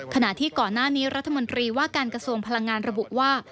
ขณะที่ก่อนหน้านี้รัฐมนตรีว่าการกระทรวงพลังงานระบุว่า